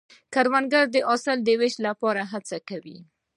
کروندګر د حاصل د ویش لپاره هڅې کوي